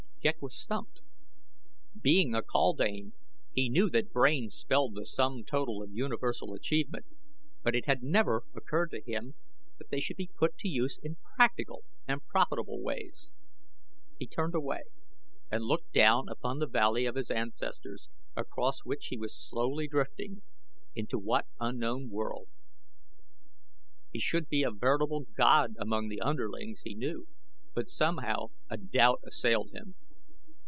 Ghek was stumped. Being a kaldane he knew that brains spelled the sum total of universal achievement, but it had never occurred to him that they should be put to use in practical and profitable ways. He turned away and looked down upon the valley of his ancestors across which he was slowly drifting, into what unknown world? He should be a veritable god among the underlings, he knew; but somehow a doubt assailed him.